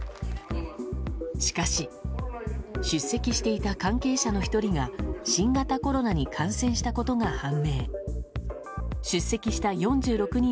しかし出席していた関係者の１人が新型コロナに感染したことが判明。